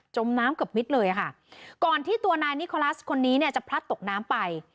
มน้ำเกือบมิดเลยค่ะก่อนที่ตัวนายนิโคลัสคนนี้เนี่ยจะพลัดตกน้ำไป